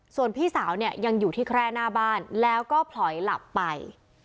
ส่วนพี่สาวเนี่ยยังอยู่ที่แคร่หน้าบ้านแล้วก็ผลอยหลับไป